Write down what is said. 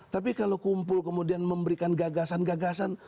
tapi kalau kumpul kemudian memberikan gagasan gagasan